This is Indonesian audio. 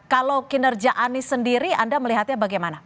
kalau kinerja anies sendiri anda melihatnya bagaimana